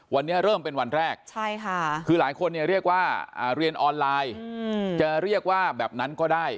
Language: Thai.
วันนี้เริ่มเป็นวันแรกคือหลายคนเรียกว่าเรียนออนไลน์จะเรียกว่าแบบนั้นก็ได้